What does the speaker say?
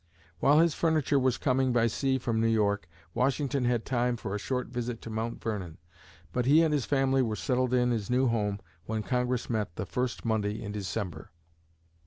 While his furniture was coming by sea from New York, Washington had time for a short visit to Mount Vernon, but he and his family were settled in his new home when Congress met the first Monday in December.